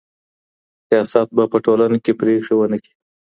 سیاست به په ټولنه کي پرېکړې ونه کړي.